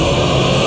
aku mau ke rumah